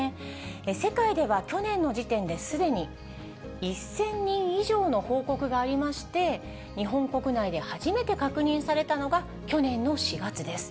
世界では去年の時点で、すでに１０００人以上の報告がありまして、日本国内で初めて確認されたのが去年の４月です。